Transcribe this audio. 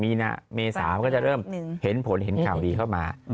มีนาเมษามันก็จะเริ่มเห็นผลเห็นข่าวดีเข้ามา